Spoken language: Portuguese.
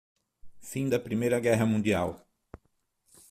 Fim da Primeira Guerra Mundial